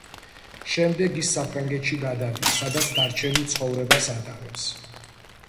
შემდეგ ის საფრანგეთში გადადის, სადაც დარჩენილ ცხოვრებას ატარებს.